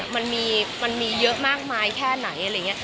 มันมีเยอะมากมายแค่ไหน